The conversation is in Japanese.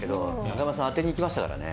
中丸さん、当てにいきましたからね。